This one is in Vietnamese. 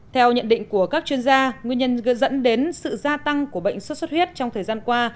theo nhận định của các chuyên gia nguyên nhân dẫn đến sự gia tăng của bệnh sốt xuất huyết trong thời gian qua